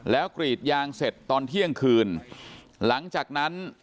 แล้วกรีดยางเสร็จตอนเที่ยงคืนหลังจากนั้น